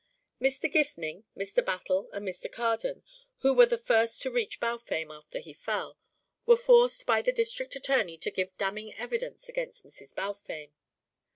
Mr. Gifning, Mr. Battle and Mr. Carden, who were the first to reach Balfame, after he fell, were forced by the district attorney to give damning evidence against Mrs. Balfame.